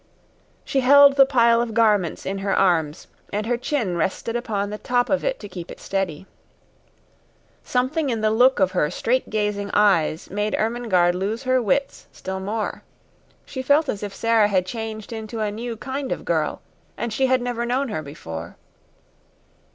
She held the pile of garments in her arms, and her chin rested upon the top of it to keep it steady. Something in the look of her straight gazing eyes made Ermengarde lose her wits still more. She felt as if Sara had changed into a new kind of girl, and she had never known her before.